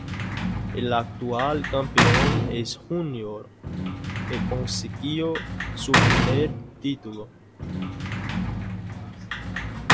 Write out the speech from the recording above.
El actual campeón es Junior, que consiguió su primer título.